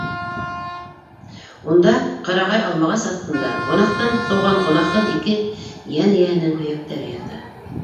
Унда, ҡырағай алмағас аҫтында, гонаһтан тыуған гонаһһыҙ ике йән эйәһенең һөйәктәре ята.